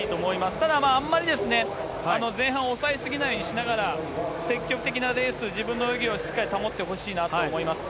ただ、あんまり前半抑え過ぎないようにしながら、積極的なレース、自分の泳ぎをしっかり保ってほしいなと思います。